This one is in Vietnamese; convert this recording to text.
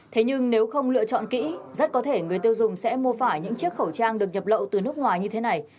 thế nhưng nếu không lựa chọn kỹ rất có thể người tiêu dùng sẽ mua phải những chiếc khẩu trang được nhập lậu từ nước ngoài như thế này